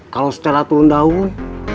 kalau setelah turun daun